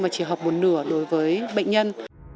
chỉ học một nửa đối với bệnh nhân